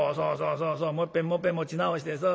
そうそうもういっぺんもういっぺん持ち直してそう